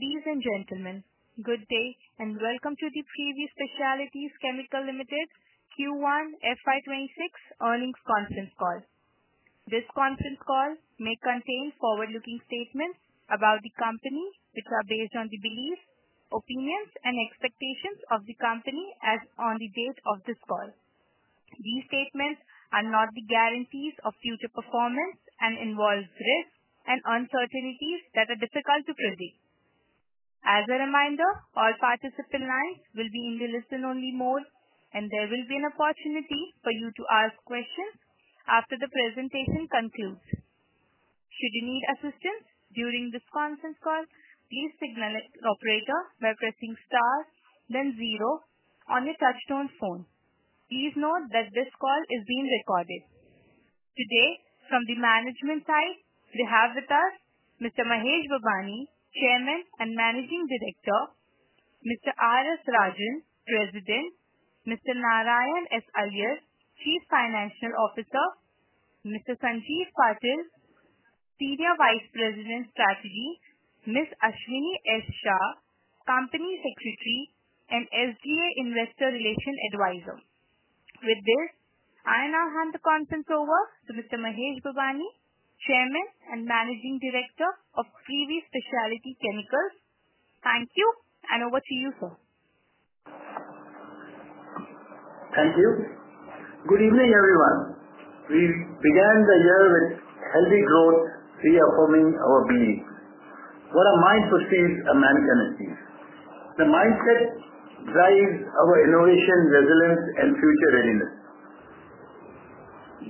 Ladies and gentlemen, good day and welcome to the Privi Speciality Chemicals Limited Q1 FY26 earnings conference call. This conference call may contain forward-looking statements about the company which are based on the beliefs, opinions, and expectations of the company as on the day of this call. These statements are not the guarantees of future performance and involve risks and uncertainties that are difficult to predict. As a reminder, all participant lines will be in the listen-only mode, and there will be an opportunity for you to ask questions after the presentation concludes. Should you need assistance during this conference call, please signal to the operator by pressing star, then zero on your touchtone phone. Please note that this call is being recorded. Today, from the management side, we have with us Mr. Mahesh Babani, Chairman and Managing Director; Mr. R. S. Rajan, President; Mr. Narayan S. Iyer, Chief Financial Officer; Mr. Sanjeev Patil, Senior Vice President, Strategy; Ms. Ashwini S. Shah, Company Secretary and SGA, Investor Relation Advisor. With this, I now hand the conference over to Mr. Mahesh Babani, Chairman and Managing Director of Privi Speciality Chemicals. Thank you, and over to you, sir. Thank you. Good evening, everyone. We began the year with healthy growth, reaffirming our beliefs. What a mind pursues a man cannot please. The mindset drives our innovation, resilience, and future readiness.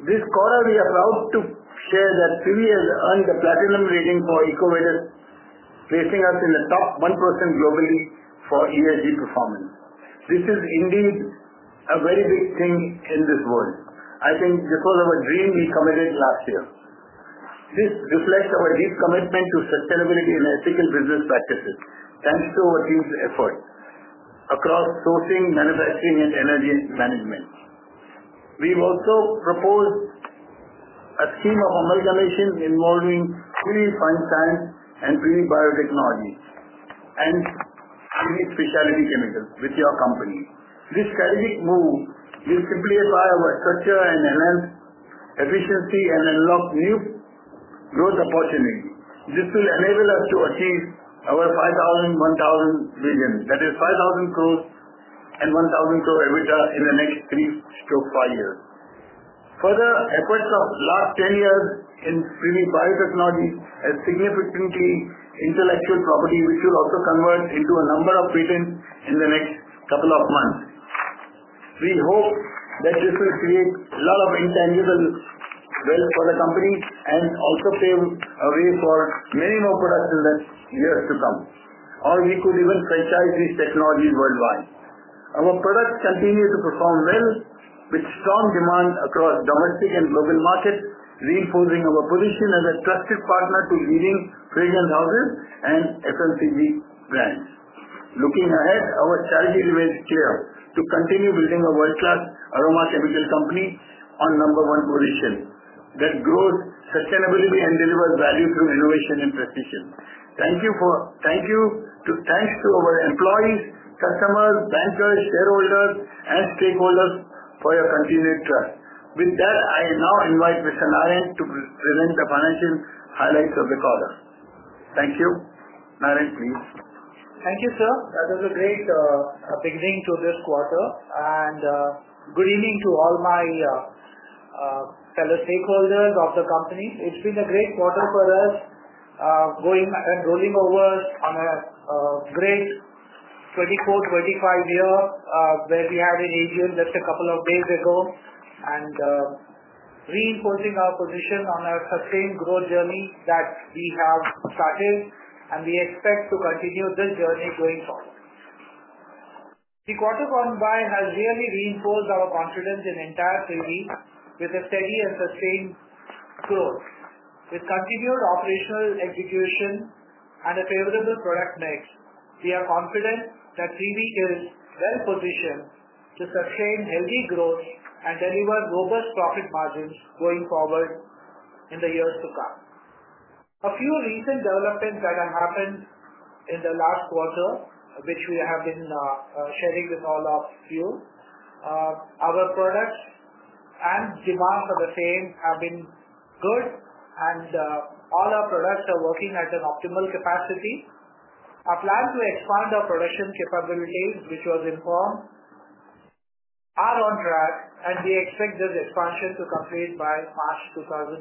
This quarter, we are proud to share that Privi has earned the Platinum rating from EcoVadis, placing us in the top 1% globally for ESG performance. This is indeed a very big thing in this world. I think because of a dream we committed last year. This reflects our deep commitment to sustainability and efficient business practices, thanks to our team's efforts across sourcing, manufacturing, and energy management. We've also proposed a stream of organizations involving Privi Fine Sciences and Privi Biotechnologies and Privi Speciality Chemicals Limited with your company. This strategic move will simplify our structure and enhance efficiency and unlock new growth opportunities. This will enable us to achive about, 5,000-1,000 million, that is 5,000 crore and 1,000 crore EBITDA in the next three to five years. Further efforts of the last 10 years in Privi Biotechnologies have significantly increased intellectual property, which will also convert into a number of billions in the next couple of months. We hope that this will create a lot of intangibles for the company and also pave the way for many more products in the years to come, or we could even franchise this technology worldwide. Our products continue to perform well with strong demand across domestic and global markets, reinforcing our position as a trusted partner to leading fragrance houses and FMCG brands. Looking ahead, our strategy remains clear to continue building a world-class aroma chemical company on number one position that grows sustainably and delivers value through innovation and precision. Thank you to our employees, customers, bankers, shareholders, and stakeholders for your continued trust. With that, I now invite Mr. Narayan to present the financial highlights of the quarter. Thank you. Narayan, please. Thank you, sir. That was a great beginning to this quarter. Good evening to all my fellow stakeholders of the company. It's been a great quarter for us, going and rolling over on a great 2024-2025 year where we had in Asia just a couple of days ago, and reinforcing our position on a sustained growth journey that we have started, and we expect to continue this journey going forward. The quarter gone by has really reinforced our confidence in entire Privi with a steady and sustained growth. With continued operational execution and a favorable product mix, we are confident that Privi is well-positioned to sustain healthy growth and deliver robust profit margins going forward in the years to come. A few recent developments that have happened in the last quarter, which we have been sharing with all of you. Our products and demand for the same have been good, and all our products are working at an optimal capacity. Our plan to expand our production capabilities, which was informed, are on track, and we expect this expansion to complete by past 2026.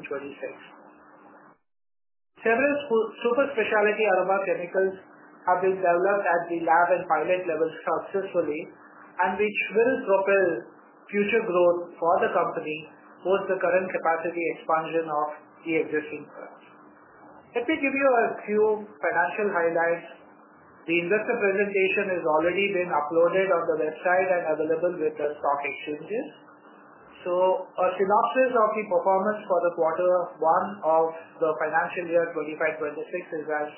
Several super Speciality aroma chemicals have been developed at the lab at pilot levels successfully, and which will propel future growth for the company with the current capacity expansion of the existing products. Let me give you a few financial highlights. The investor presentation has already been uploaded on the website and available with the stock exchanges. A synopsis of the performance for the quarter of one of the financial year 2025-2026 is as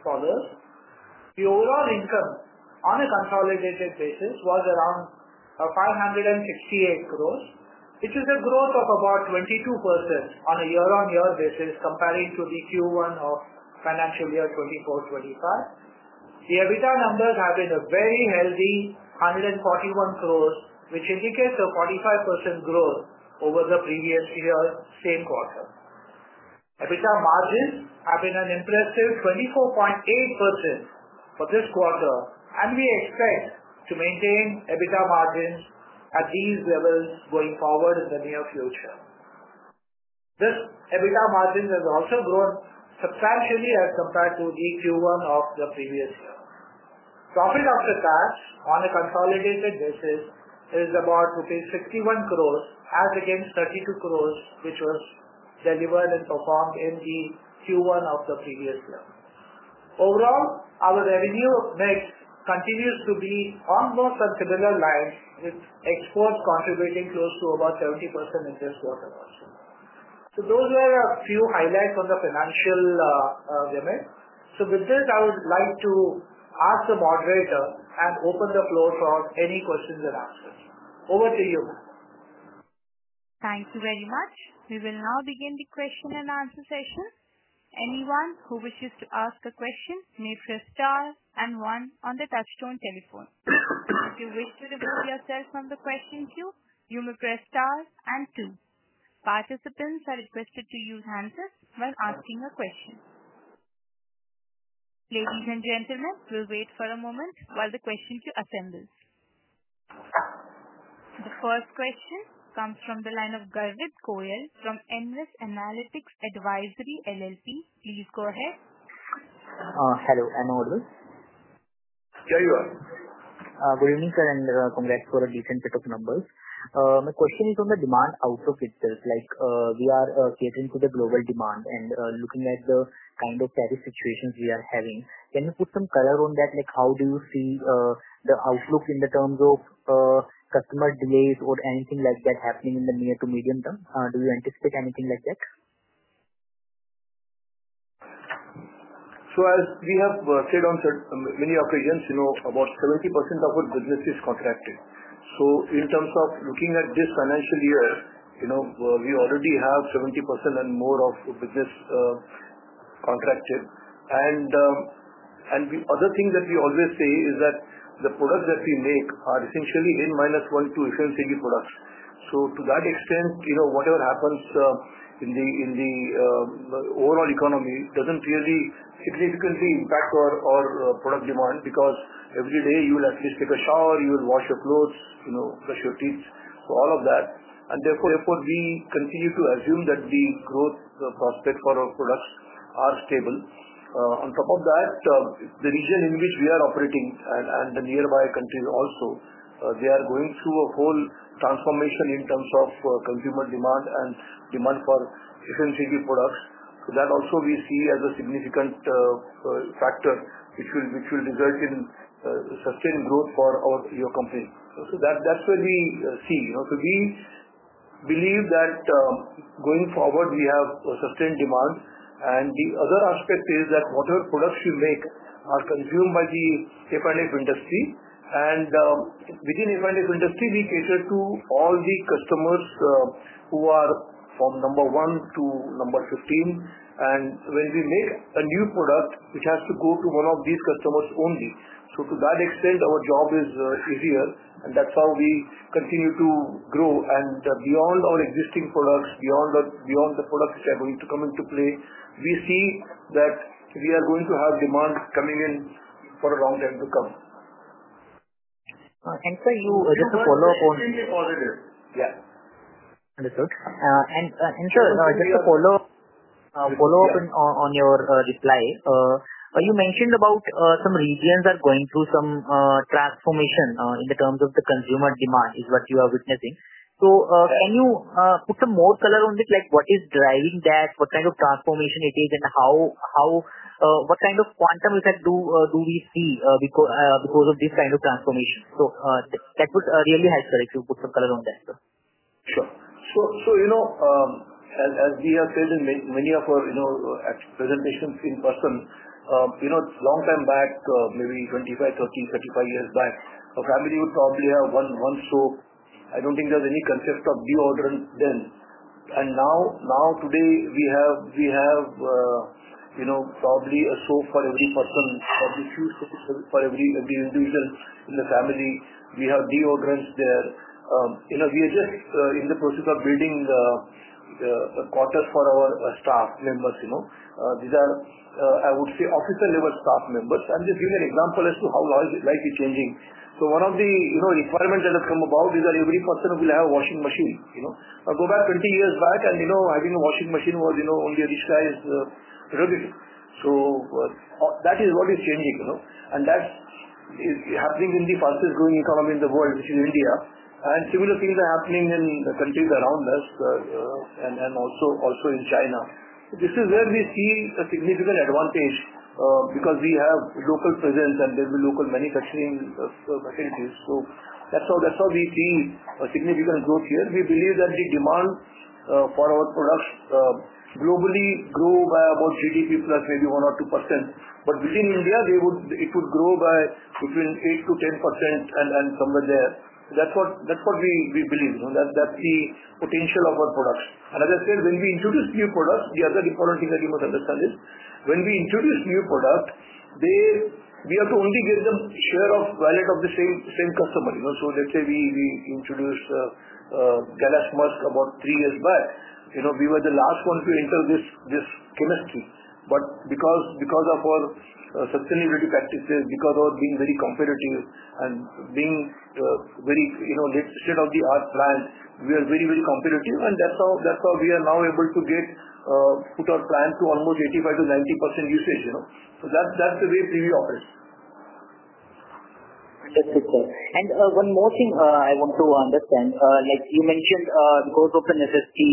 follows: the overall income on a consolidated basis was around 568 crore, which is a growth of about 22% on a year-on-year basis comparing to the Q1 of financial year 2024-2025. The EBITDA numbers have been very healthy, 141 crore, which indicates a 45% growth over the previous year, same quarter. EBITDA margins have been an impressive 24.8% for this quarter, and we expect to maintain EBITDA margins at these levels going forward in the near future. The EBITDA margins have also grown substantially as compared to the Q1 of the previous year. Profit after tax on a consolidated basis is about rupees 61 crore as against 32 crore, which was delivered and performed in the Q1 of the previous year. Overall, our revenue mix continues to be almost at similar lines, with exports contributing close to about 70% in this quarter also. Those were a few highlights on the financial remit. With this, I would like to ask the moderator and open the floor for any questions and answers. Over to you. Thank you very much. We will now begin the question and answer session. Anyone who wishes to ask a question may press star and one on the touchstone telephone. If you wish to remove yourself from the question queue, you may press star and two. Participants are requested to use hands up when asking a question. Ladies and gentlemen, we'll wait for a moment while the question queue assembles. The first question comes from the line of Garvit Goyal from Nvest Analytics Advisory LLP. Please go ahead. Hello. I'm all good. Very well. Very unique and congrats for a decent set of numbers. My question is on the demand outlook itself. Like we are catering to the global demand and looking at the kind of service situations we are having. Can you put some color on that? Like how do you see the outlook in the terms of customer delays or anything like that happening in the near to medium term? Do you anticipate anything like that? As we have said on many occasions, about 70% of our business is contracted. In terms of looking at this financial year, we already have 70% and more of business contracted. The other thing that we always say is that the products that we make are essentially N minus one to essentially B products. To that extent, whatever happens in the overall economy doesn't really significantly impact our product demand because every day you'll at least take a shower, you'll wash your clothes, you know, brush your teeth, all of that. Therefore, we continue to assume that the growth for our products is stable. On top of that, the region in which we are operating and the nearby countries also are going through a whole transformation in terms of consumer demand and demand for essentially products. That also we see as a significant factor which will result in sustained growth for our company. That's where we see. We believe that going forward, we have a sustained demand. The other aspect is that whatever products we make are consumed by the F&F industry. Within the F&F industry, we cater to all the customers who are from number 1 to number 15. When we make a new product, it has to go to one of these customers only. To that extent, our job is easier. That's how we continue to grow. Beyond our existing products, beyond the products which are going to come into play, we see that we are going to have demand coming in for a long time to come. I'm sorry, you— I just have to follow up on... Yeah, understood. I just-- Follow up on your reply. You mentioned about some regions are going through some transformation in terms of the consumer demand is what you are witnessing. Can you put some more color on it? What is driving that? What kind of transformation it is and what kind of quantum effect do we see because of this kind of transformation? That was really helpful if you put some color on that. As we have said in many of our presentations in person, a long time back, maybe 25, 30, 35 years back, a family would probably have one stove. I don't think there was any concept of deodorant then. Now, today, we have probably a stove for every person, probably a shoe for every individual in the family. We have deodorants there. We are just in the process of building the quarters for our staff members. These are, I would say, officer-level staff members. This is an example as to how life is changing. One of the requirements that have come about is that every customer will have a washing machine. I go back 20 years, and having a washing machine was only a rich guy's privilege. That is what is changing, and that's happening in the fastest-growing economy in the world, which is India. Similarly, they're happening in the countries around us, and also in China. This is where we see a significant advantage because we have local presence and local manufacturing facilities. That's how we see significant growth here. We believe that the demand for our products globally grew by about GDP plus, maybe 1 or 2%. Within India, it would grow by between 8%-10%, somewhere there. That's what we believe. That's the potential of our products. As I said, when we introduce new products, the other difficulty that you must understand is when we introduce new products, we have to only give them a share of the wallet of the same customer. Let's say we introduced Galaxmusk about three years back. We were the last one to enter this philosophy, but because of our sustainability practices, because of being very competitive and being very within the art plan, we are very, very competitive. That's how we are now able to get our plan to almost 85%-90% usage. That's the way Privi operates. One more thing I want to understand. As you mentioned, because of the necessity,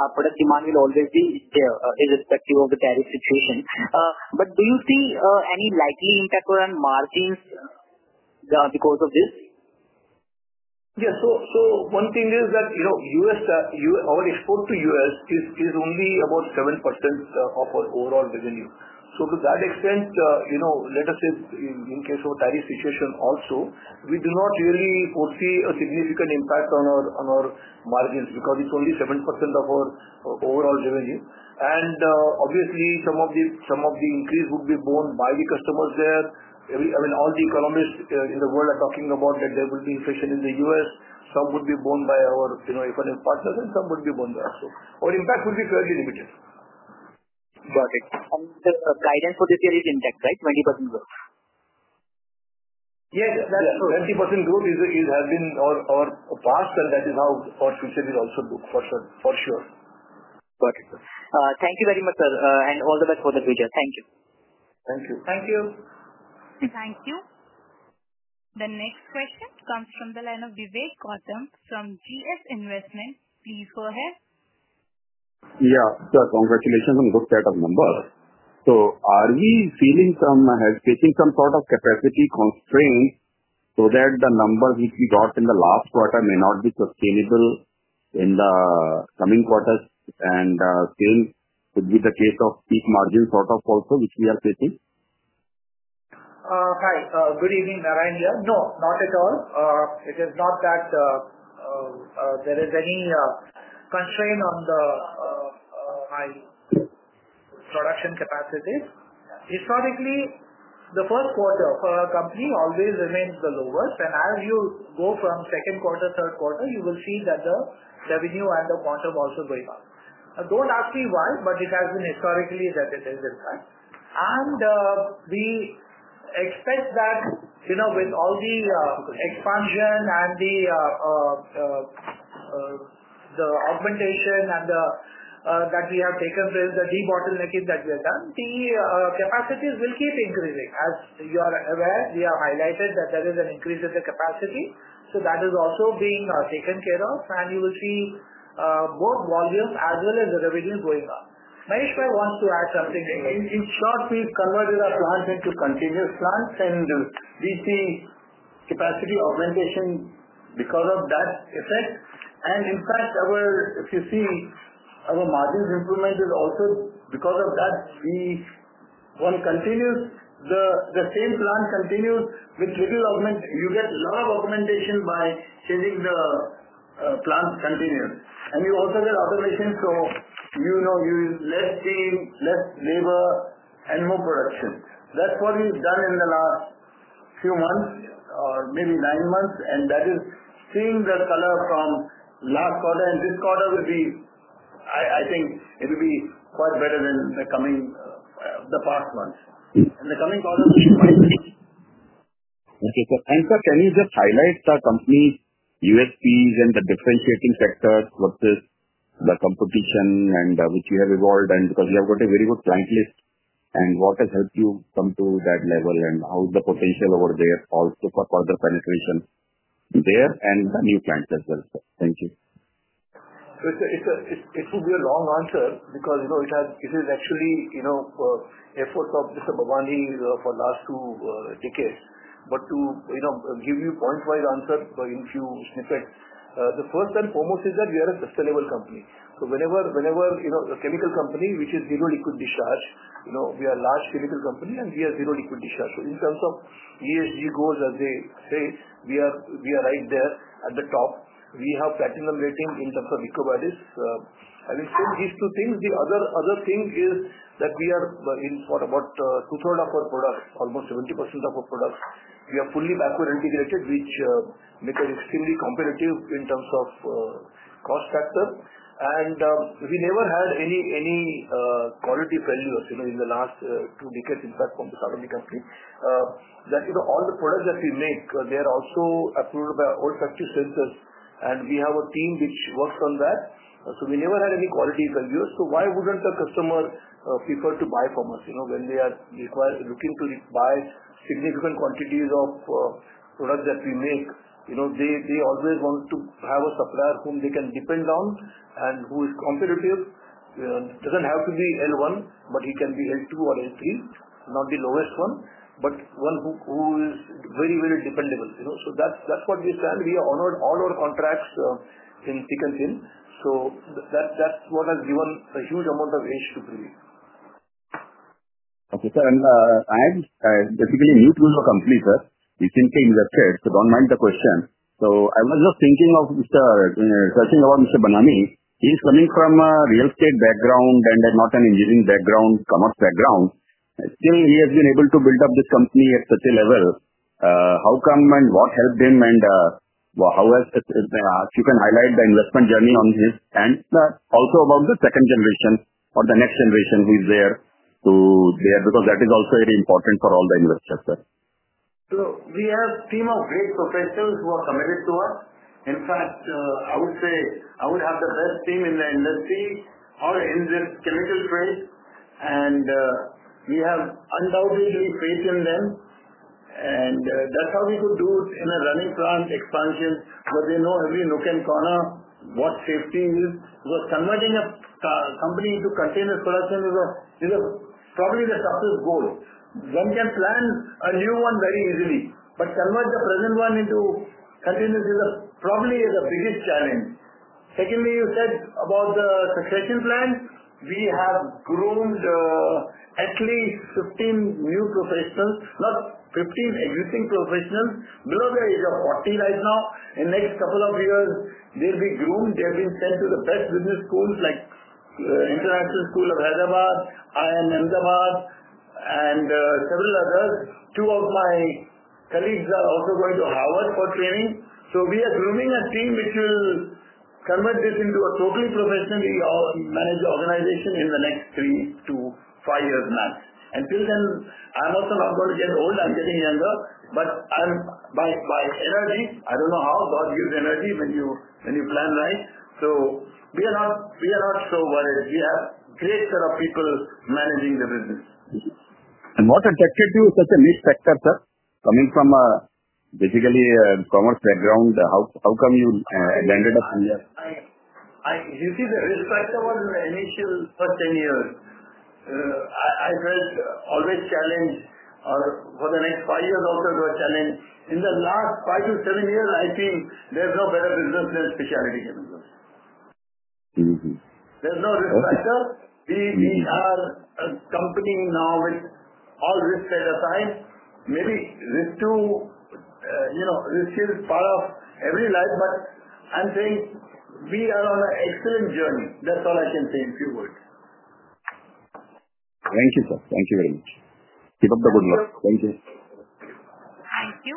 our product demand is already there irrespective of the tariff situation. Do you see any likely impact on margins because of this? Yeah. One thing is that our export to the U.S. is only about 7% of our overall revenue. To that extent, you know, that is in case of a tariff situation also, we do not really foresee a significant impact on our margins because it's only 7% of our overall revenue. Obviously, some of the increase would be borne by the customers there. I mean, all the economists in the world are talking about that there will be inflation in the U.S. Some would be borne by our F&F partners, and some would be borne by us. Our impact would be fairly limited. Got it. The guidance for the period index, right? 20% growth. Yes, that's true. 20% growth has been our past, and that is how our future is also looked for, for sure. Got it. Thank you very much, sir. All the best for the future. Thank you. Thank you. Thank you. Thank you. The next question comes from the line of Vivek Gautam from GS Investments. Please go ahead. Yeah. Congratulations on both set of numbers. Are we seeing some hesitation, some sort of capacity constraint so that the numbers which we got in the last quarter may not be sustainable in the coming quarters? The same would be the case of peak margin sort of also, which we are facing? Hi. Good evening, Narayan here. No, not at all. It is not that there is any constraint on the high production capacities. Historically, the first quarter for our company always remains the lowest. As you go from second quarter, third quarter, you will see that the revenue and the quantum also going up. Now, don't ask me why, but it has been historically that it is in fact. We expect that, you know, with all the expansion and the augmentation that we have taken since the debottlenecking that we have done, the capacities will keep increasing. As you are aware, we have highlighted that there is an increase in the capacity. That is also being taken care of. You will see more volumes as well as the revenue going up. Mahesh, I want to add something. In short, we've converted our plants into continuous plants, and we've seen capacity augmentation because of that effect. In fact, if you've seen our margins improvement, it is also because of that. We want to continue the same plant continues with little augment. You get a lot of augmentation by changing the plant continues. You also get automation. You will see less labor and more production. That's what we've done in the last few months or maybe nine months. That is seeing the color from last quarter. This quarter will be, I think, it will be quite better than the past ones. In the coming quarter, we should find. Okay. Can you just highlight the company USPs and the differentiating factors, what is the competition and which we have evolved? We have got a very good client list. What has helped you come to that level? How is the potential over there also for further penetration there and the new clients as well? Thank you. It will be a long answer because it is actually efforts of Mr. Babani for the last two decades. To give you a point-wise answer in a few instances, the first and foremost is that we are a sustainable company. Whenever the chemical company, which is zero liquid discharge, we are a large chemical company and we are zero liquid discharge. In terms of ESG goals, as they say, we are right there at the top. We have platinum rating in terms of EcoVadis. We've seen these two things. The other thing is that for about 2/3s of our product, almost 70% of our product, we are fully backward integrated, which makes it extremely competitive in terms of cost factor. We never had any quantitative failures in the last two decades, in fact, from the family company. That is, all the products that we make, they are also approved by all such essentials. We have a team which works on that. We never had any quantitative failures. Why wouldn't the customer prefer to buy from us? When they are looking to buy significant quantities of products that we make, they always want to have a supplier whom they can depend on and who is competitive. It doesn't have to be L1, but it can be L2 or L3, not the lowest one, but one who is very, very dependable. That's what we found. We honored all our contracts in Pickens Inn. That's what has given a huge amount of edge to Privi. Okay. I am basically new to the company, sir. Recently invested, so don't mind the question. I was just thinking of searching about Mr. Babani. He's coming from a real estate background and not an engineering background, commerce background. I think he has been able to build up the company at such a level. How come and what helped him, and how has it, as you can highlight the investment journey on his and also about the second generation or the next generation who is there to there because that is also very important for all the investors, sir. We have a team of great professors who are committed to us. In fact, I would say I have the best team in the industry or in the chemical trade. We have undoubtedly faith in them. That's how we could do it in a running plant, expansion, because they know every nook and corner what safety is. Converting a company into continuous production is probably the toughest goal. One can plan a new one very easily, but to convert the present one into continuous is probably the biggest challenge. Secondly, you said about the construction plan, we have groomed actually 15 new professionals, not 15 existing professionals. Below there is a 40 right now. In the next couple of years, they'll be groomed. They have been sent to the best business schools like the International School of Hyderabad, IIM Ahmedabad, and several others. Two of my colleagues are also going to Harvard for training. We are grooming a team which will convert this into a proper profession in our managed organization in the next three to five years max. I'm also not going to get old. I'm getting younger. By energy, I don't know how God gives energy when you plan right. We are not so worried. We have a great set of people managing the business. What attracted you to such a risk factor, sir, coming from basically a commerce background? How come you landed up here? If you see the risk factor was with an HQ for 10 years. I've read always challenged or for the next five years also to a challenge. In the last five to seven years, I think there's no better business than Speciality chemicals. There's no risk factor. We are a company now with all risks at a time. Very risk to, you know, risk is part of every life. I'm saying we are on an excellent journey. That's all I can say in a few words. Thank you, sir. Thank you very much. Keep up the good work. Thank you. Thank you.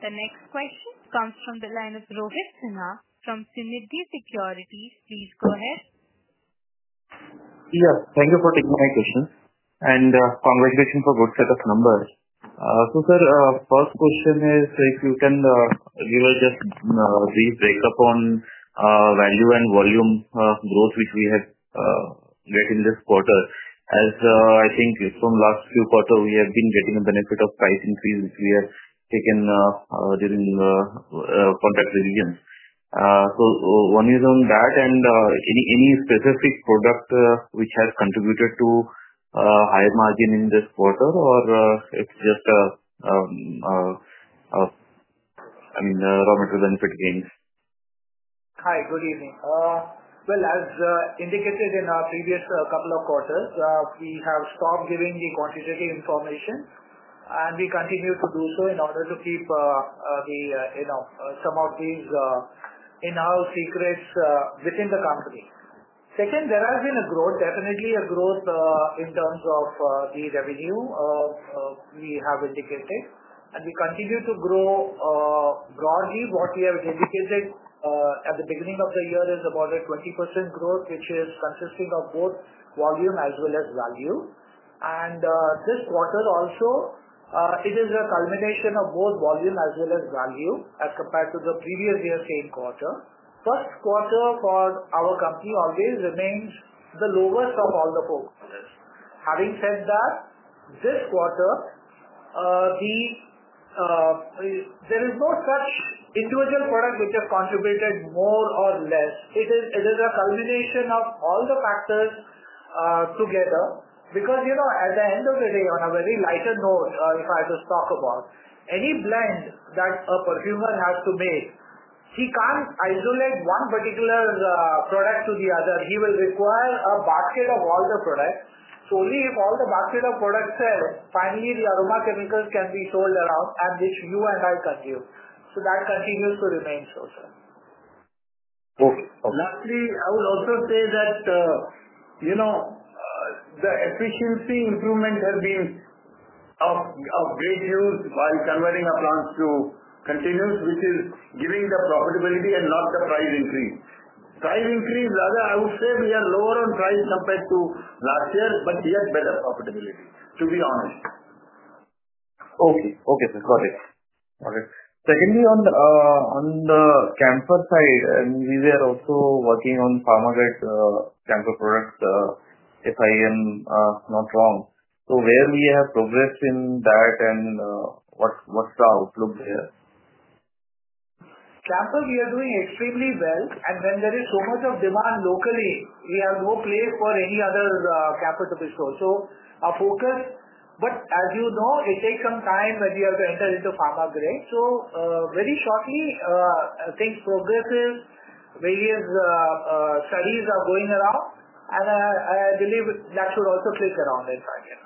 The next question comes from the line of Rohit Sinha, from Sunidhi Securities. Please go ahead. Thank you for taking my questions, and congratulations for a good set of numbers. Sir, first question is if you can give us just brief breakup on value and volume growth which we have yet in this quarter. I think from the last few quarters, we have been getting a benefit of price increase, which we have taken context revisions. One is on that. Any specific product which has contributed to a higher margin in this quarter, or it's just a, I mean, raw material benefit gains? Hi. Good evening. As indicated in our previous couple of quarters, we have stopped giving you quantitative information, and we continue to do so in order to keep some of these in-house secrets within the company. Second, there has been a growth, definitely a growth in terms of the revenue we have indicated. We continue to grow broadly. What we have indicated at the beginning of the year is about a 20% growth, which is consistent of both volume as well as value. This quarter also, it is a culmination of both volume as well as value as compared to the previous year's same quarter. First quarter for our company always remains the lowest of all the four quarters. Having said that, this quarter, there is no such individual product which has contributed more or less. It is a culmination of all the factors together because, you know, at the end of the day, on a very lighter note, if I just talk about any blend that a consumer has to make, he can't isolate one particular product to the other. He will require a batch of all the products. Only if all the batches of products sell, finally, the aroma chemicals can be sold around and which you and I consume. That continues to remain so, sir. Lastly, I would also say that the efficiency improvement has been of great news while converting our plants to continuous, which is giving the profitability and not the price increase. Price increase, rather, I would say we are lower on price compared to last year, but we have better profitability, to be honest. Okay. Got it. Secondly, on the camphor side, we are also working on pharmacogenic products if I am not wrong. Where have we progressed in that and what's the outlook there? Camphor, we are doing extremely well. When there is so much of demand locally, we have no place for any other camphor to be sourced. Our focus, but as you know, it takes some time when we have to enter into pharma grade. Very shortly, I think progressive various studies are going around. I believe that should also flick around in five years.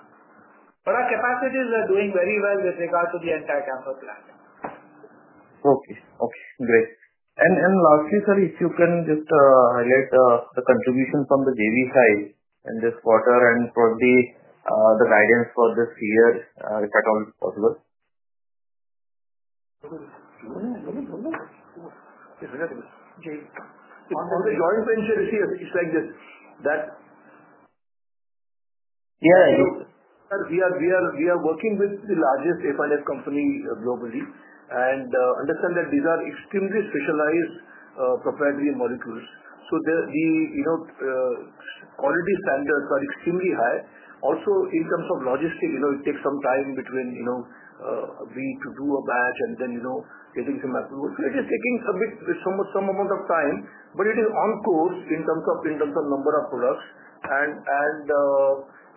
Our capacities are doing very well with regards to the entire camphor plan. Okay. Great. Lastly, sir, if you can just highlight the contribution from the JV side in this quarter and probably the guidance for this year if at all possible. Okay. On the joint venture, it's like this. Yeah. We are working with the largest F&F companies globally. Understand that these are extremely specialized proprietary molecules, so the quality standards are extremely high. Also, in terms of logistics, it takes some time between when we do a batch and then getting some approval. It is taking some amount of time, but it is on course in terms of number of products.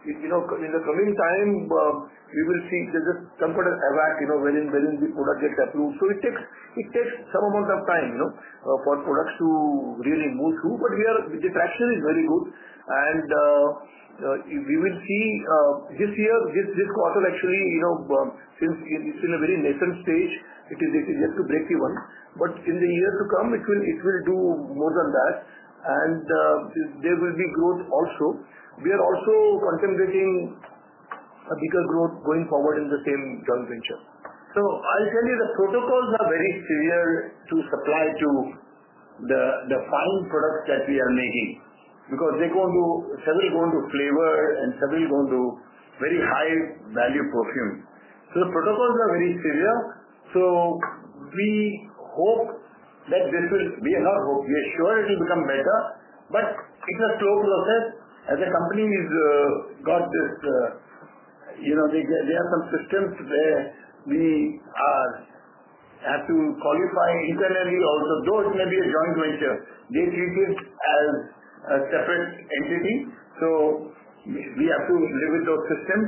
In the coming time, you will see there's some sort of AWAC, you know, when the product gets approved. It takes some amount of time for products to really move through. The traction is very good. We will see this year, this quarter, actually, since it's in a very nascent stage, it is yet to break even. In the years to come, it will do more than that, and there will be growth also. We are also contemplating a bigger growth going forward in the same joint venture. I'll tell you, the protocols are very severe to supply the fine products that we are making because several are going to flavor and several are going to very high-value perfumes. The protocols are very severe. We hope that this will be a hope. We are sure it will become better. It's a closed closet. As the company has got this, there are some systems where we have to qualify internally also, though it may be a joint venture. They treat it as a separate entity. We have to live with those systems.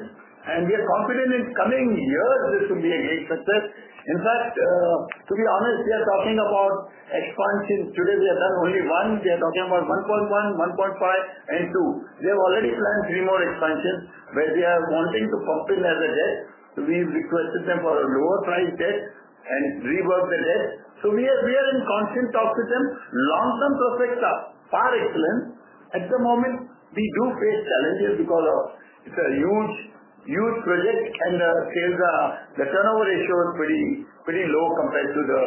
We are confident in the coming year, this will be a great success. In fact, to be honest, we are talking about expansion. Today, we have done only one. We are talking about 1.1, 1.5, and 2. They have already planned three more expansions where they are wanting to compensate the debt. We've requested them for a lower price debt and rework the debt. We are in constant talks with them. Long-term prospects are far excellent. At the moment, we do face challenges because it's a huge project and the turnover ratio is pretty low compared to the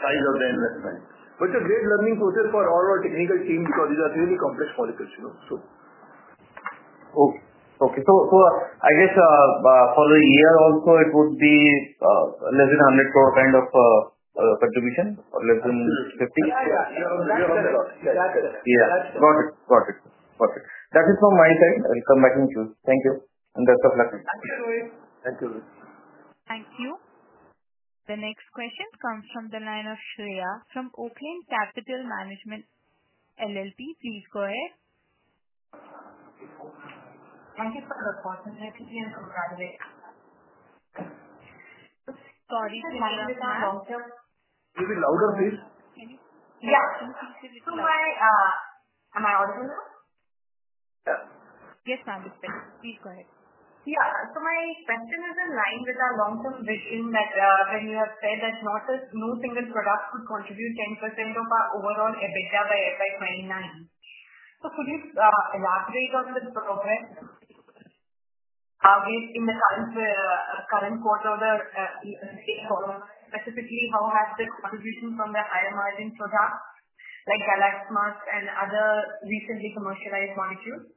size of the investment. It's a great learning process for all our technical teams because these are really complex molecules. Okay. I guess for a year also, it would be less than 100 crore kind of contribution, less than 50 crore? Yeah, yeah, that's about it. Got it. Got it. That is from my side. I'll come back in June. Thank you and best of luck. Thank you. Thank you. The next question comes from the line of Shreya from Oaklane Capital Management LLP. Please go ahead. Thank you for the question. Excuse me, sorry. You're a bit louder, please. Yeah, excuse me. Am I audible now? Yes, ma'am. Please go ahead. Yeah. My question is in line with our long-term vision that when you have said that no single product would contribute 10% of our overall EBITDA by FY 2029. Could you elaborate on the progress in the current quarter, specifically, how has the contribution from the higher margin, like Galaxmusk and other recently commercialized molecules?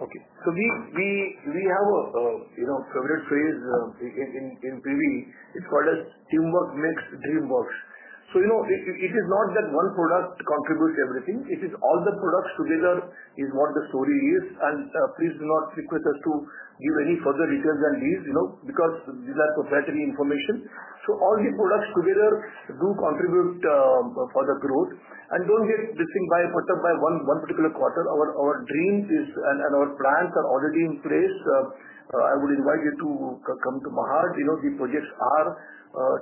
Okay. We have a, you know, favorite phrase in Privi. It's called teamwork makes dream works. If it's not that one product contributes to everything, it is all the products together is what the story is. Please do not request us to give any further details than these because these are proprietary information. All these products together do contribute for the growth. Don't get distinct by put up by one particular quarter. Our dreams and our plans are already in place. I would invite you to come to my heart. The projects are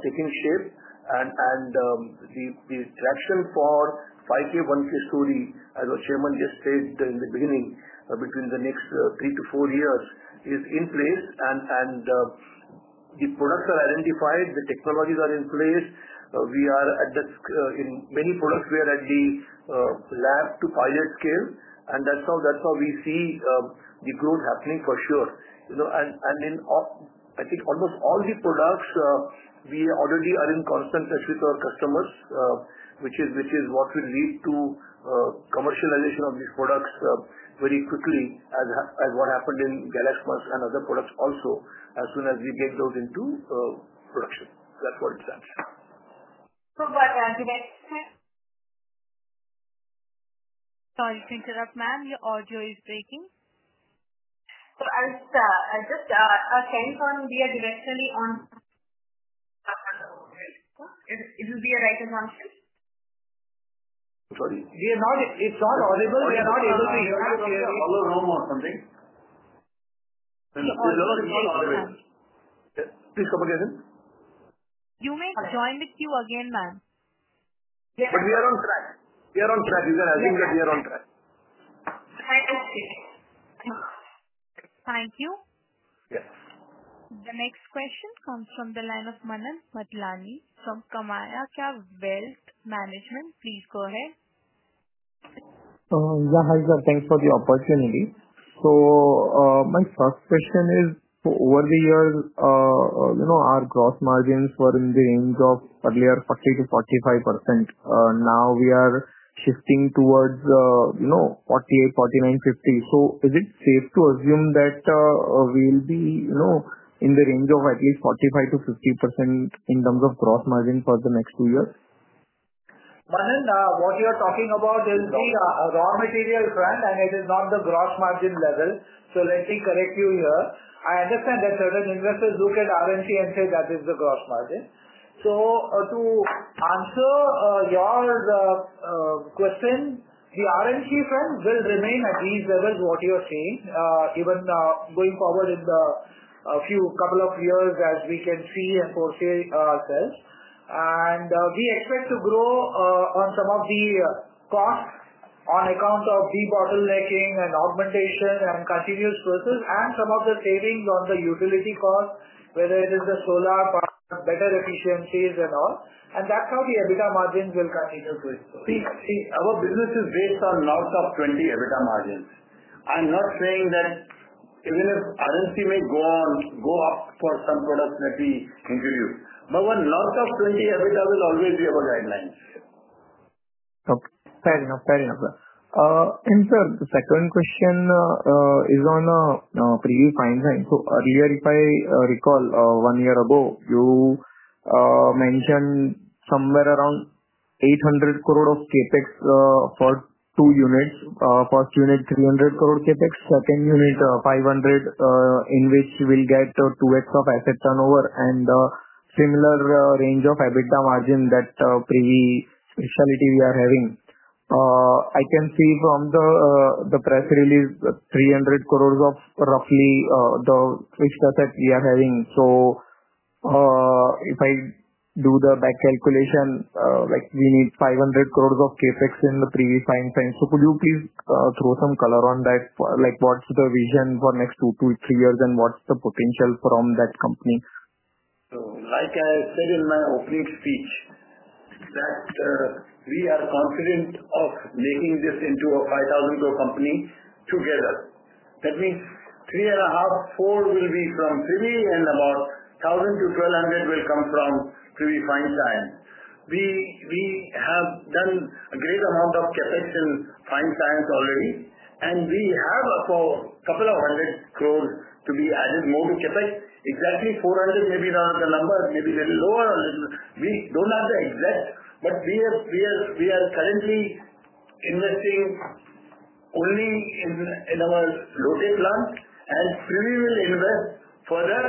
taking shape, and the traction for 5K, 1K stories, as our Chairman just said in the beginning, between the next three to four years is in place. The products are identified. The technologies are in place. We are at the, in many products, we are at the lab to pilot scale, and that's how we see the growth happening for sure. In, I think, almost all the products, we already are in constant touch with our customers, which is what will lead to commercialization of these products very quickly, as what happened in Galaxmusk and other products also, as soon as we get those into production. That's what it stands for. So what? Sorry to interrupt, ma'am. Your audio is breaking. I just came from the directory. Is it the writer's office? Sorry? We are not. It's not audible. We are not able to hear you. Hello? Hello? Hello? Hello? Please come again. You may join the queue again, ma'am. Yeah, we are on track. We are on track. I think that we are on track. Thank you. Yes. The next question comes from the line of Manan Madlani from KamayaKya Wealth Management. Please go ahead. Yeah. Hi, sir. Thanks for the opportunity. My first question is, over the years, you know our gross margins were in the range of earlier 40%-45%. Now we are shifting towards, you know, 48, 49, 50%. Is it safe to assume that we'll be, you know, in the range of at least 45%-50% in terms of gross margin for the next two years? Manan, what you are talking about is made a raw material friend, and it is on the gross margin level. Let me correct you here. I understand that certain investors look at RMC and say that is the gross margin. To answer your question, the RMC friend will remain at these levels, what you are seeing, even going forward in the next couple of years as we can see and foresee ourselves. We expect to grow on some of the costs on account of debottlenecking and augmentation and cashier's process and some of the savings on the utility costs, whether it is the solar or better efficiencies and all. That's how the EBITDA margin will continue. Our business's rates are north of 20% EBITDA margins. I'm not saying that even if RMC may go up for some products that we introduce, when north of 20% EBITDA will always be our guidelines. Fair enough. Fair enough. Sir, the second question is on Privi Fine Sciences. Earlier, if I recall, one year ago, you mentioned somewhere around 800 crore of CapEx for two units. First unit, 300 crore CapEx. Second unit, 500 crore, in which we will get 2X of asset turnover and a similar range of EBITDA margin that Privi Speciality is having. I can see from the press release 300 crores of roughly the figure that we are having. If I do the back calculation, like we need 500 crores of CapEx in Privi Fine Sciences. Could you please throw some color on that, like what's the vision for the next two to three years and what's the potential from that company? Like I said in my opening speech, we are confident of making this into a 5,000 crore company together. Let me, three and a half, four will be from Privi and about 1,000 to 1,200 will come from Privi Fine Sciences. We have done a great amount of CapEx in Fine Sciences already, and we have a couple of hundred crores to be added more to CapEx. Exactly 400, maybe the number is maybe a little lower. We don't have the exact, but we are currently investing only in our Lote plant, and Privi will invest further.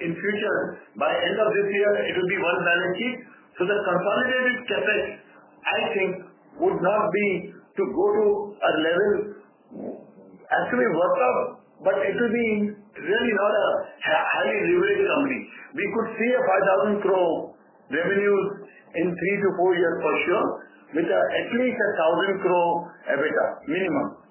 In the future, by the end of this year, it will be one Fine Sciences. The consolidated CapEx, I think, would now be to go to a level actually worthwhile, but it will be really not a highly leveraged company. We could see a 5,000 crore revenue in three to four years for sure with at least 1,000 crore EBITDA. Minimum.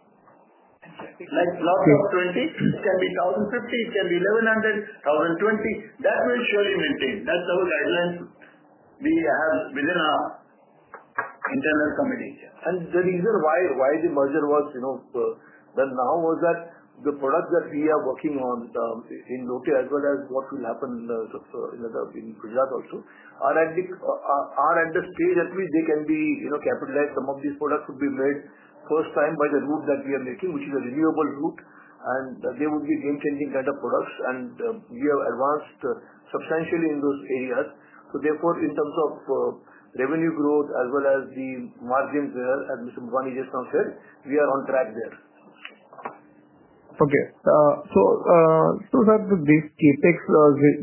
Just like north of 20 can be 1,050. It can be 1,100, 1,020. That will still maintain. That's our guidelines we have within our internal committees. The reason why the merger was, you know, then now was that the products that we are working on in Lote and what will happen in Gujarat also are at the stage at which they can be, you know, capitalized. Some of these products would be made first time by the route that we are making, which is a renewable route, and they would be a game-changing kind of products. We have advanced substantially in those areas. Therefore, in terms of revenue growth as well as the margin there, as Mr. Babani just now said, we are on track there. Okay. Sir, this CapEx,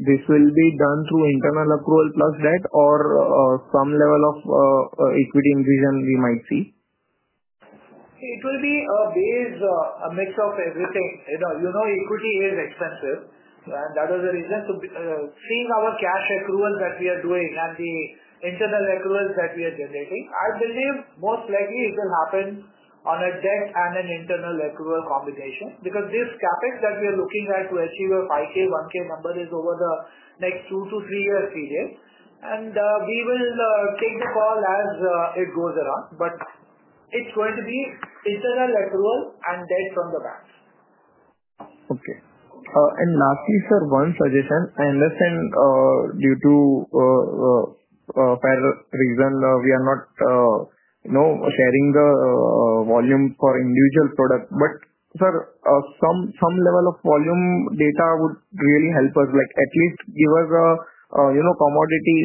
this will be done through internal approval plus debt or some level of equity increase we might see? It will be a mix of everything. You know, equity is expensive. That is the reason to see our cash accruals that we are doing and the internal accruals that we are generating. I believe most likely it will happen on a debt and an internal accrual combination because this capex that we are looking at to achieve a 5K, 1K number is over the next two to three year period. We will take the call as it goes around. It's going to be internal accrual and debt from the batch. Okay. Lastly, sir, one suggestion. I understand due to parallel reason, we are not sharing the volume for individual products. Sir, some level of volume data would really help us. Like at least give us a commodity,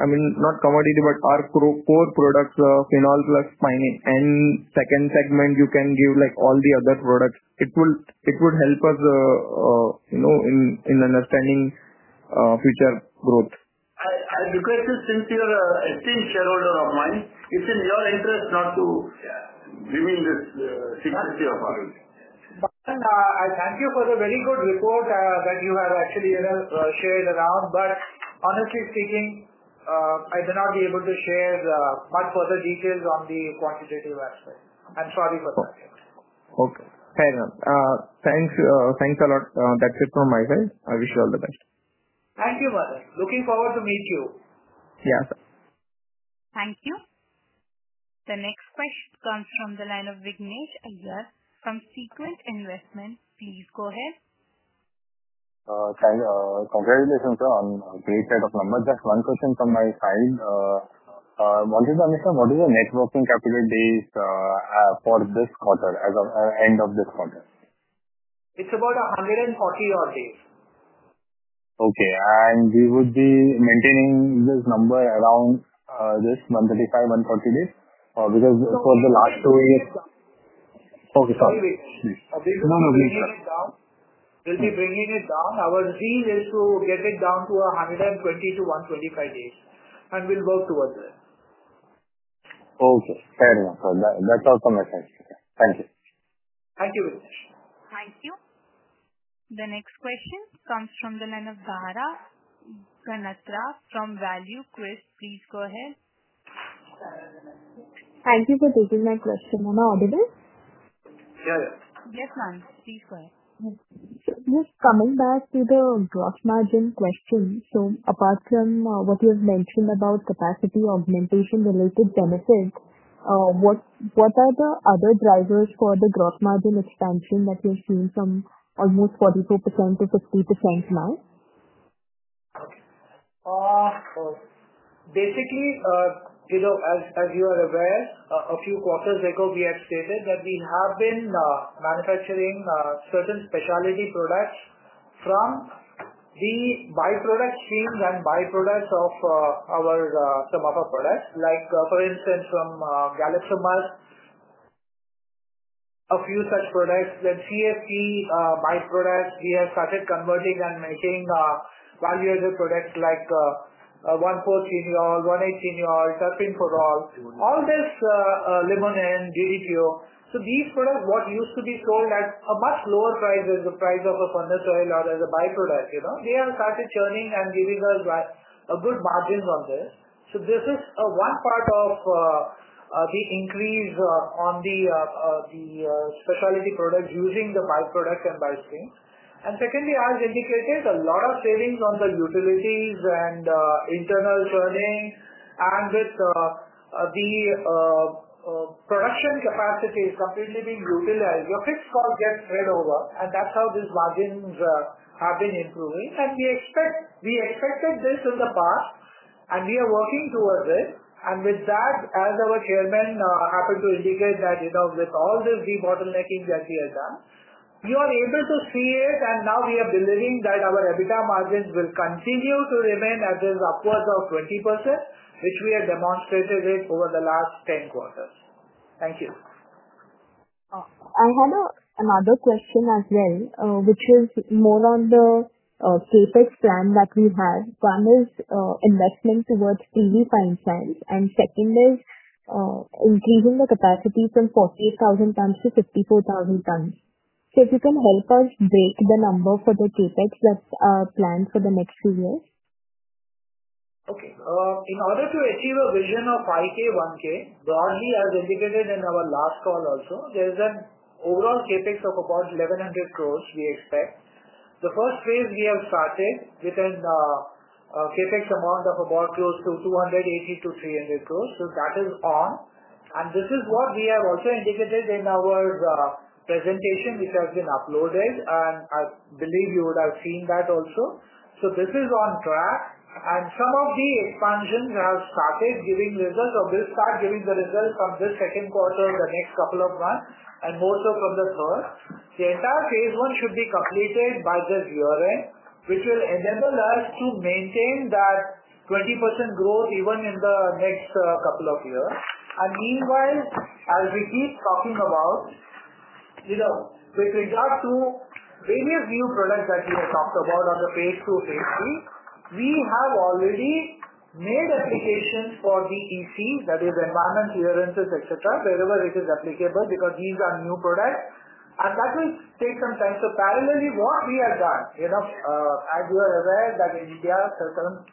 I mean, not commodity, but our core products, phenol plus fine. In the second segment, you can give all the other products. It would help us in understanding future growth. I do, because since you are an extended shareholder of mine, it's in your interest not to give me this security of ours. Thank you for the very good report that you have actually shared around. Honestly speaking, I did not be able to share much further details on the quantitative aspect. I'm sorry for that. Okay. Fair enough. Thanks a lot. That's it from my side. I wish you all the best. Thank you, Mars. Looking forward to meeting you. Yes, sir. Thank you. The next question comes from the line of Vignesh Iyer, from Sequent Investment. Please go ahead. Congratulations, sir, on a great set of numbers. Just one question from my side. I wanted to understand what is the net working capabilities for this quarter as of end of this quarter? It's about 140-odd days. Okay. We would be maintaining this number around this 135-140 days because for the last two years. Okay, sorry. Please. Okay. We have done, we'll be bringing it down. Our aim is to get it down to 120-125 days, and we'll work towards that. Okay. Fair enough. That's all from my side. Thank you. Thank you very much. Thank you. The next question comes from the line of Dhara Ganatra from ValueQuest. Please go ahead. Thank you for taking my question. Am I audible? Yes. Yes, ma'am. Please go ahead. Coming back to the gross margin question, apart from what you have mentioned about capacity augmentation-related benefits, what are the other drivers for the gross margin expansion that you're seeing from almost 44%-50% now? Basically, you know, as you are aware, a few quarters ago, we have stated that we have been manufacturing certain Speciality products from the by-product streams and by-products of our products, like for instance, from Galaxmusk, a few such products. Then CSC by-products, we have started converting and making value-added products like 1,4-Cineole, 1,8-Cineole, Terpinen-4-ol, all this Limonene and DDTO. These products, what used to be sold at a much lower price than the price of a conditory lot as a by-product, you know, they are starting churning and giving us a good margin on this. This is one part of the increase on the Speciality products using the by-products and by-streams. Secondly, as indicated, a lot of savings on the utilities and internal churning. With the production capacity completely being utilized, your fixed cost gets spread over. That's how these margins have been improving. We expected this in the past. We are working towards this. With that, as our Chairman happened to indicate, with all this debottlenecking that we have done, you are able to see it. Now we are believing that our EBITDA margin will continue to remain at this upwards of 20%, which we have demonstrated over the last 10 quarters. Thank you. I had another question as well, which is more on the capex plan that we've had. One is investment towards Privi Fine Sciences. The second is increasing the capacity from 48,000 tons-54,000 tons. If you can help us break the number for the CapEx that are planned for the next two years. Okay. In order to achieve a vision of 5K, 1K, broadly as indicated in our last call also, there's an overall CapEx of about 1,100 crore we expect. The first phase we have started within a CapEx amount of about close to 280-300 crore. That is on. This is what we have also indicated in our presentation, which has been uploaded. I believe you would have seen that also. This is on track. Some of the expansions have started giving results from this second quarter, the next couple of months, and more so from the first. The entire phase one should be completed by this year-end, which will enable us to maintain that 20% growth even in the next couple of years. Meanwhile, as we keep talking about, with regards to various new products that you have talked about on the phase two, phase three, we have already made applications for the EC, that is environment clearances, etc., wherever it is applicable because these are new products. That will take some time. Parallel to what we have done, as you are aware that in India,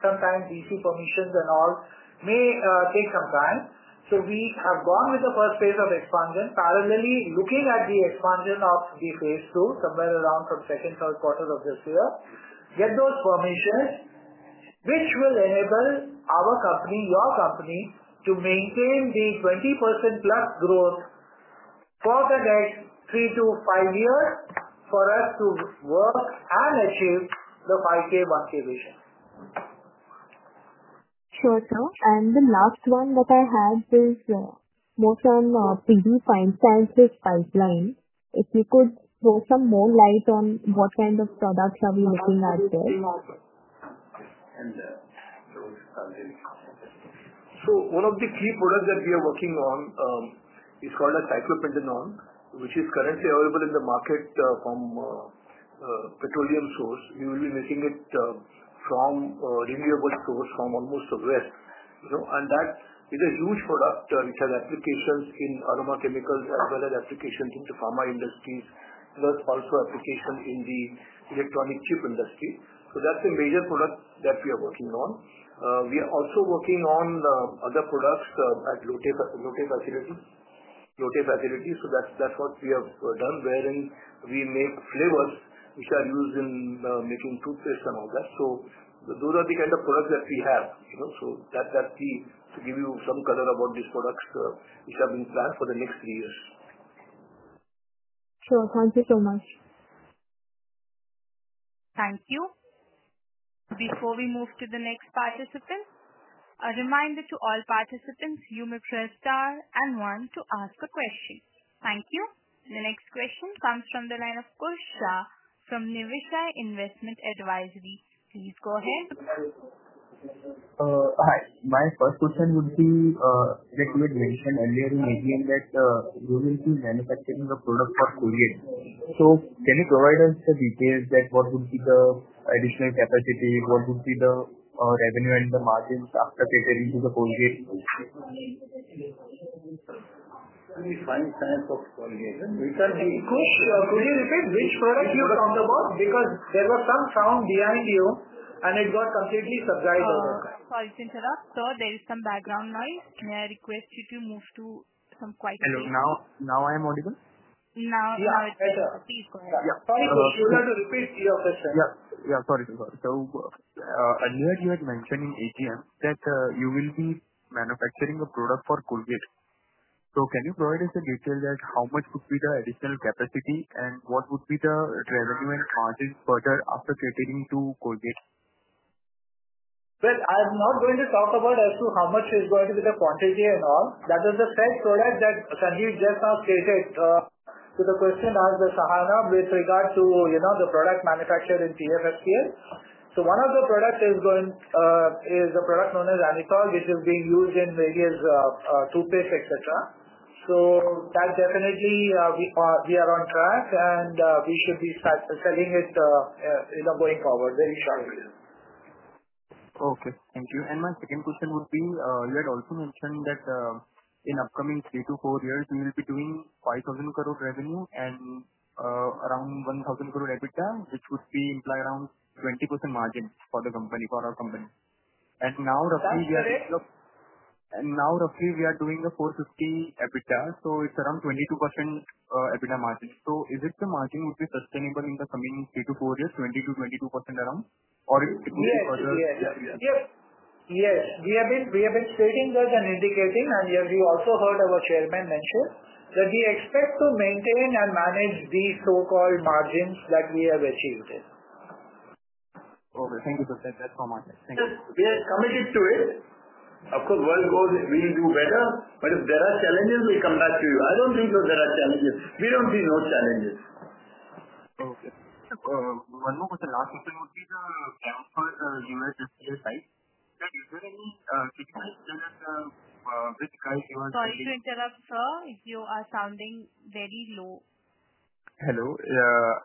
sometimes EC permissions and all may take some time. We have gone with the first phase of expansion. Parallely, looking at the expansion of the phase II, somewhere around from second, third quarter of this year, get those permissions, which will enable our company, your company, to maintain the 20% plus growth for the next three to five years for us to work and achieve the 5K, 1K vision. Sure, sir. The last one that I had is Privi Fine Sciences' pipeline. If you could throw some more light on what kind of products are we looking at there. One of the key products that we are working on is called Cyclopentanol, which is currently available in the market from petroleum source, usually making it from a renewable source from almost the West. That is a huge product which has applications in aroma chemicals, as well as applications in the pharma industry, but also applications in the electronic chip industry. That is the major product that we are working on. We are also working on other products at Lote facilities. That is what we have done, wherein we make flavors, which are used in making toothpaste and all that. Those are the kind of products that we have. That is key to give you some color about these products which are being planned for the next three years. Sure, thank you so much. Thank you. Before we move to the next participant, a reminder to all participants, you may press star and one to ask a question. Thank you. The next question comes from the line of Kush Shah from Niveshaay Investment Advisory. Please go ahead. Hi. My first question would be, like we mentioned earlier in the beginning, that we've been manufacturing a product for courier. Can you provide us the details, like what would be the additional capacity, what would be the revenue and the margin after preparing for the courier? Kush, if it's this product you've talked about, because there was some sound behind you, it got completely subsided. Sorry, since I lost her, there is some background noise. May I request you to move to somewhere quieter? Hello. Now I am audible? Now it's better. Please go ahead. Sorry, if you would like to repeat your question. Yeah, sorry to go ahead. I heard you had mentioned in AGM that you will be manufacturing a product for Colgate. Can you provide us a detail that how much would be the additional capacity and what would be the revenue and charges further after catering to Colgate? Yes. I am not going to talk about as to how much is going to be the quantity and all. That is the first product that, as you just now stated, to the question as to Sahana with regards to, you know, the product manufactured in Givaudan facility here. One of the products is a product known as Anethole, which is being used in various toothpastes, etc. That definitely we are on track, and we should be fast selling it, you know, going forward. Very strongly. Okay. Thank you. My second question would be, you had also mentioned that in upcoming three to four years, we will be doing 5,000 crore revenue and around 1,000 crore EBITDA, which would be implied around 20% margin for the company, for our company. Now roughly we are doing the 450 crore EBITDA, so it's around 22% EBITDA margin. Is it the margin would be sustainable in the coming three to four years, 20%-22% around, or is it? Yes, we have been stating this and indicating. We also heard our Chairman mention that we expect to maintain and manage these so-called margins that we have achieved. Okay. Thank you for that. That's from our side. Thank you. We are committed to it. Of course, world goes, we do better. If there are challenges, we come back to you. I don't think there are challenges. We don't see no challenges. Okay. One more question. Last question would be the U.S. FDA site. Is there any particular sticker price you are? Sorry to interrupt, sir, you are sounding very low. Hello.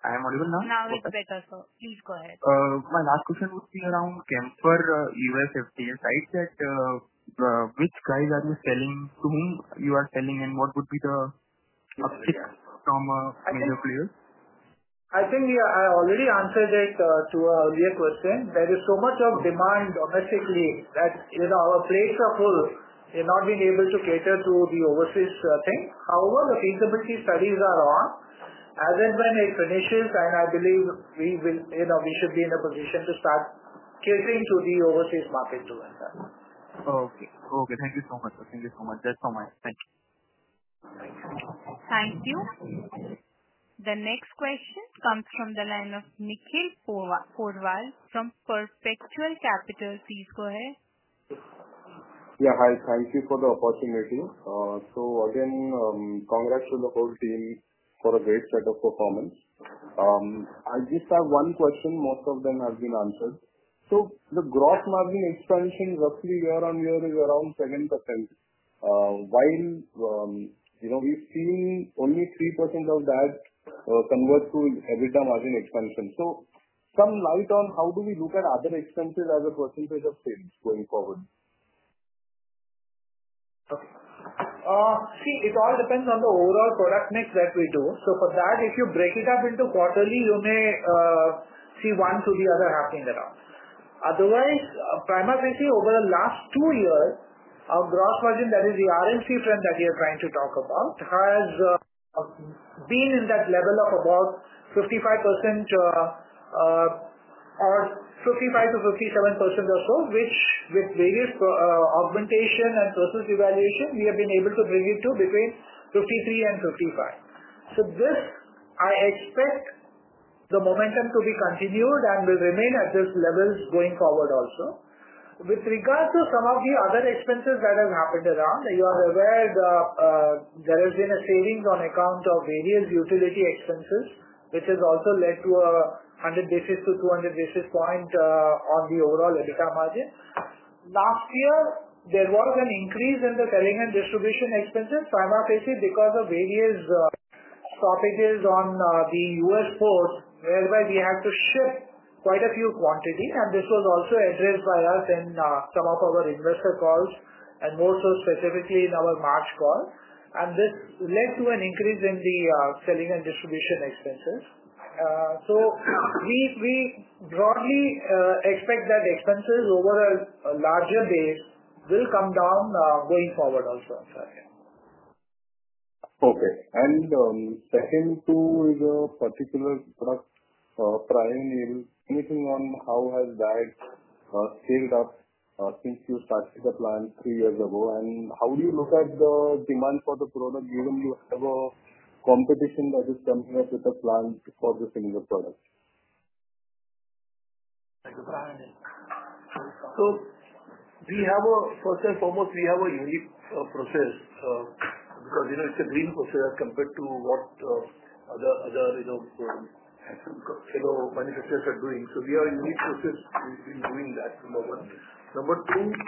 Am I audible now? Now it's better, sir. Please go ahead. My last question would be around camphor U.S. FDA site. At which price are you selling? To whom are you selling? What would be the uptick from a major player? I think I already answered it to our earlier question. There is so much of demand domestically that, you know, our plates are full. We're not being able to cater to the overseas thing. However, the feasibility studies are on. As and when it finishes, I believe we will, you know, we should be in a position to start catering to the overseas market too. Okay. Okay. Thank you so much. Thank you so much. That's from my side. Thank you. The next question comes from the line of Nikhil Porwal from Perpetual Capital. Please go ahead. Yeah. Hi. Thank you for the opportunity. Again, congrats to the whole team for a great set of performance. I just have one question. Most of them have been answered. The gross margin expansion roughly year on year is around 7%. While we've seen only 3% of that convert to EBITDA margin expansion. From now on, how do we look at other expenses as a percentage of sales going forward? See, it all depends on the overall product mix that we do. For that, if you break it up into quarterly, you may see one to the other happening around. Otherwise, primarily, over the last two years, our gross margin, that is the R&D front that we are trying to talk about, has been in that level of about 55% or 55%-57% or so, which with various augmentation and process evaluation, we have been able to bring it to between 53% and 55%. I expect the momentum to be continued and will remain at this level going forward also. With regards to some of the other expenses that have happened around, you are aware that there has been a savings on account of various utility expenses, which has also led to a 100 basis-200 basis point on the overall EBITDA margin. Last year, there was an increase in the telecom distribution expenses, primarily because of various stoppages on the U.S. port, whereby we had to ship quite a few quantities. This was also addressed by us in some of our investor calls and more so specifically in our March call. This led to an increase in the selling and distribution expenses. We broadly expect that expenses over a larger day will come down going forward also, sir. Okay. Second, to the particular product Prionyl, anything on how has that shaped up since you started the plan three years ago? How do you look at the demand for the product? Do you have a competition that is coming up with the plan for the single product? We have a, first and foremost, we have a unique process because you know it's a green process compared to what other shadow finite processes are doing. We are a unique process. We've been doing that, number one. Number two, we also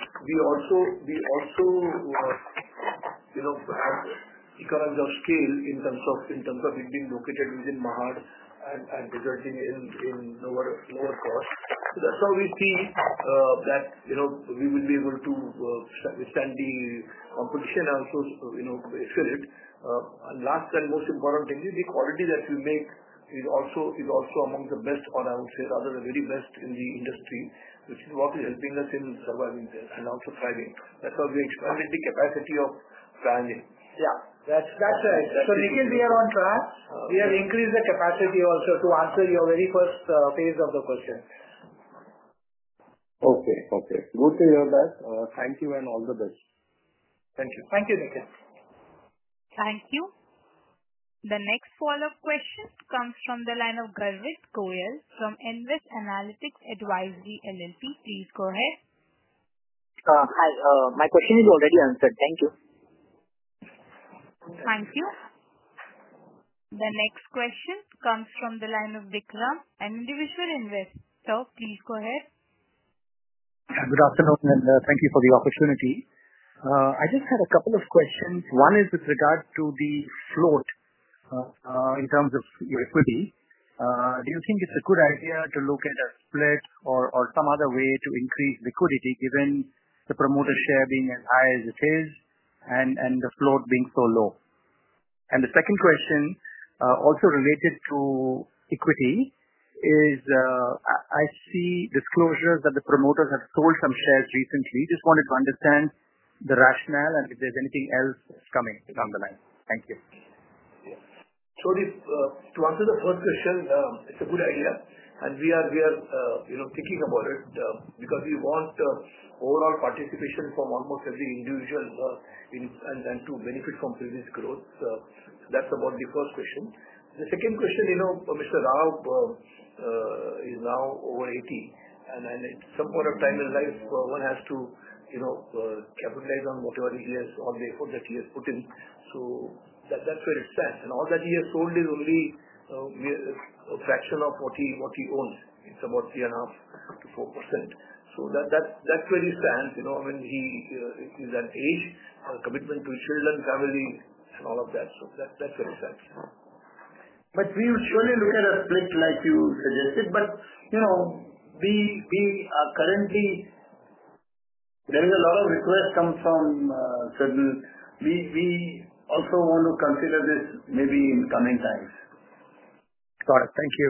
economize our scale in terms of it being located within Mahad and resulting in lower cost. That's how we see that you know we will be able to withstand the competition and also you know excel it. Last and most important thing is the quality that we make is also among the best, or I would say rather the very best in the industry, which is what is helping us in surviving this and also thriving. That's how we expanded the capacity of triangle. Yeah, that's right. We are on track. We have increased the capacity also to answer your very first phase of the question. Okay. Okay. Both of you are best. Thank you and all the best. Thank you. Thank you, Nikhil. Thank you. The next follow-up question comes from the line of Garvit Goyal from Nvest Analytics Advisory LLP. Please go ahead. Hi. My question is already answered. Thank you. Thank you. The next question comes from the line of Vikram, an individual investor. Please go ahead. Good afternoon, and thank you for the opportunity. I just had a couple of questions. One is with regards to the float in terms of your equity. Do you think it's a good idea to look at a split or some other way to increase liquidity given the promoter share being as high as it is and the float being so low? The second question also related to equity is I see disclosures that the promoters have sold some shares recently. Just wanted to understand the rationale and if there's anything else coming down the line. Thank you. To answer the first question, it's a good idea. We are thinking about it because we want overall participation from almost every individual and to benefit from business growth. That's about the first question. The second question, you know, Mr. Rao is now over 80. At some point of time in life, one has to capitalize on whatever he has put in. That's where it stands. All that he has sold is only a fraction of what he owns. It's about 3.5%-4%. That's where he stands. He is at age, commitment to children, family, and all of that. That's where it's at. We will surely look at a split like you suggested. We are currently getting a lot of requests come from certain. We also want to consider this maybe in the coming times. Got it. Thank you.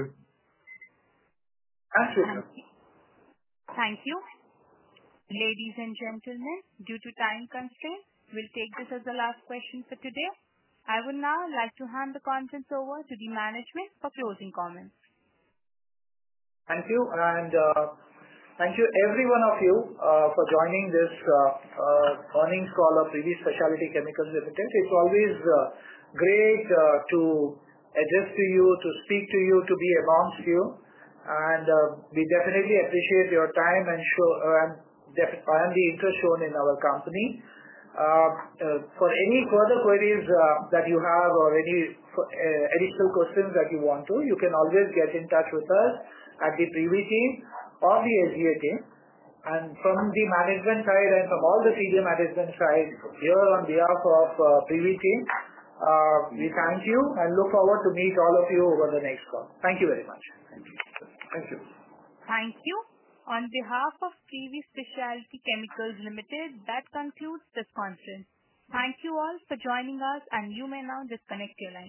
Excellent. Thank you. Ladies and gentlemen, due to time constraints, we'll take this as the last question for today. I would now like to hand the conference over to the management for closing comments. Thank you. Thank you, every one of you, for joining this earnings call of Privi Speciality Chemicals Limited. It's always great to address you, to speak to you, to be amongst you. We definitely appreciate your time and show and definitely I am the interest zone in our company. For any further queries that you have or any additional questions that you want to, you can always get in touch with us at the Privi team or the SGA team. From the management side and from all the senior management side here on behalf of the Privi team, we thank you and look forward to meeting all of you over the next call. Thank you very much. Thank you. Thank you. On behalf of Privi Speciality Chemicals Limited, that concludes this conference. Thank you all for joining us, and you may now disconnect.